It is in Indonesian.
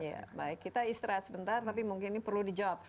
ya baik kita istirahat sebentar tapi mungkin ini perlu dijawab